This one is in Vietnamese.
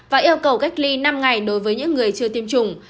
và yêu cầu cách ly năm ngày đối với những người chưa tiêm chủng